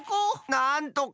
なんとか。